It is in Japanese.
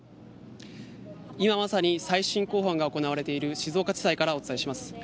今まさに再審公判が行われている静岡地裁からお伝えします。